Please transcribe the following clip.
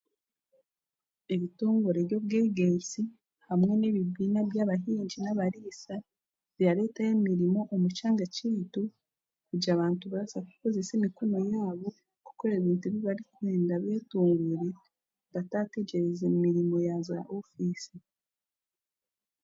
Ebitongore by'obwegyesi hamwe n'ebibiina by'abahingi nabariisa birareteho emirimo omu kyanga kyaitu kugira abantu barabaasa kukozesa emikono yaabo kukora ebintu barikwenda betunguure bataategereza emirimo ya zaa ofiisi.